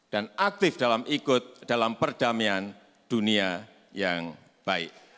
dan aktif dalam ikut dalam perdamaian dunia yang baik